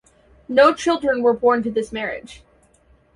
No children were born to this marriage.